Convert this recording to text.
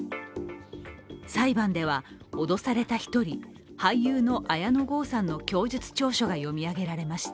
裁判では脅された一人、俳優の綾野剛さんの供述調書が読み上げられました。